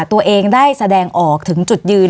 ตัวเองได้แสดงออกถึงจุดยืน